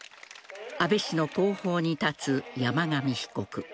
安倍氏の後方に立つ山上被告。